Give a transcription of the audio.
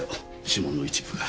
指紋の一部が。